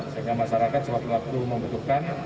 sehingga masyarakat sewaktu membutuhkan